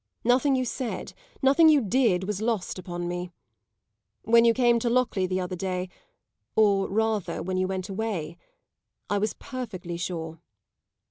Nothing you said, nothing you did, was lost upon me. When you came to Lockleigh the other day or rather when you went away I was perfectly sure.